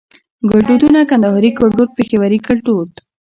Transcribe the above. ګړدودونه کندهاري ګړدود پېښوري ګړدود